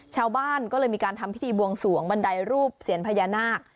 ชาวบ้านก็เลยมีการทำพิธีบวงสวงบันไดรูปเซียนพญานาค